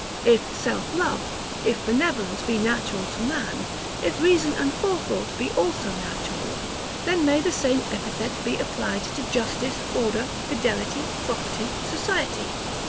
If self love, if benevolence be natural to man; if reason and forethought be also natural; then may the same epithet be applied to justice, order, fidelity, property, society.